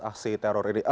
ahsi teror ini